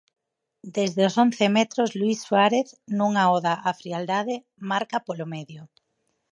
Desde os once metros Luís Suárez, nunha oda á frialdade, marca polo medio.